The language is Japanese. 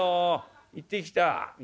「行ってきた？